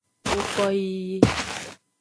Ngkoyiyi.